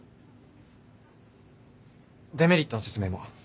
デメリットの説明も。